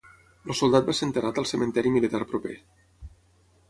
El soldat va ser enterrat al cementiri militar proper.